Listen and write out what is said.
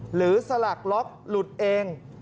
หรือสลักล็อกหลุดเอง